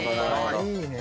いいね。